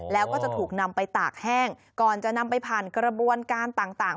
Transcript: แล้วก็จะถูกนำไปตากแห้งก่อนจะนำไปผ่านกระบวนการต่าง